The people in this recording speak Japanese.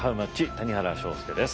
谷原章介です。